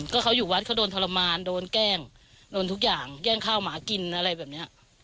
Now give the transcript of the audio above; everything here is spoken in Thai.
ก็เขาอยู่วัดเขาโดนทรมานโดนแกล้งโดนทุกอย่างแย่งข้าวหมากินอะไรแบบเนี้ย